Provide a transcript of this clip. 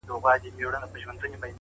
پر ده به نو ايله پدر لعنت له مينې ژاړي!